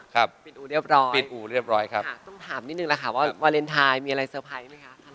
ตรงค่ะปิดอู่เรียบร้อยตรงค่ะฯต้องถามนิดนึงแหละครับวัลเทิญไทยมีอะไรเซอร์ไพร์ไหมครับ